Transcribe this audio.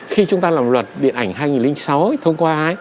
khi chúng ta làm luật điện ảnh hai nghìn sáu thông qua